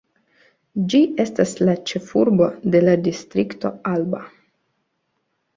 Ĝi estas la ĉefurbo de la Distrikto Alba.